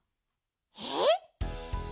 えっ？